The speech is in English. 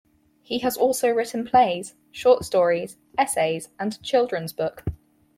He has also written plays, short stories, essays, and a children's book.